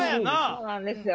そうなんですよ。